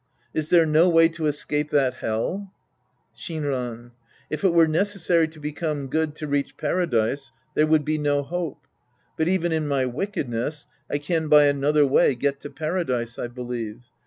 Is there no way to escape that Hell ? Shinran. If it were necessary to become good to reach Paradise, there would be no hope. But even in my wickedness, I can by another way get to Paradise, I believe.